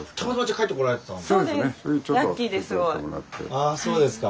あそうですか。